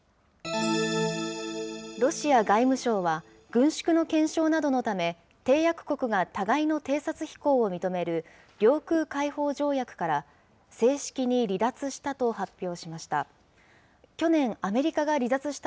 ロシア外務省は、軍縮の検証などのため、締約国が互いの偵察飛行を認める領空開放条約から正式に離脱したと発表しました。